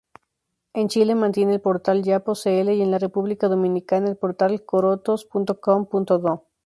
En Chile mantiene el portal Yapo.cl y en la República Dominicana el portal Corotos.com.do.